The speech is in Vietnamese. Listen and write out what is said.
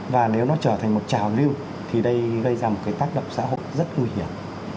và nếu nó trở thành một trào lưu thì đây gây ra một cái tác động xã hội rất nguy hiểm